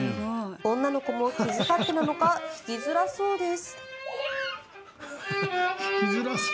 女の子も気遣ってなのか弾きづらそうです。